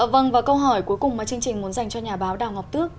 vâng và câu hỏi cuối cùng mà chương trình muốn dành cho nhà báo đào ngọc tước